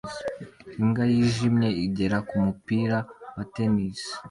Imbwa yijimye igera kumupira wa tennis